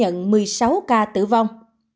hà nội ghi nhận một mươi sáu ca tử vong